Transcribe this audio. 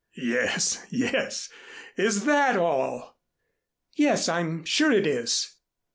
"Yes yes is that all?" "Yes, I'm sure it is."